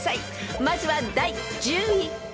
［まずは第１０位］